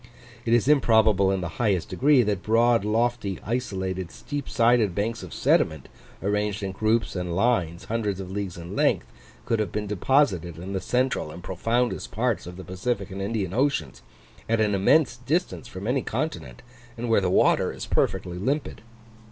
It is improbable in the highest degree that broad, lofty, isolated, steep sided banks of sediment, arranged in groups and lines hundreds of leagues in length, could have been deposited in the central and profoundest parts of the Pacific and Indian Oceans, at an immense distance from any continent, and where the water is perfectly limpid.